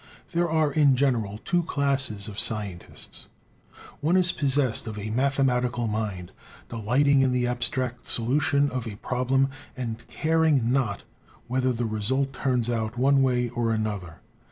There are, in general, two classes of scientists. One is possessed of a mathematical mind, delighting in the abstract solution of a problem and caring not whether the result turns out one way or another.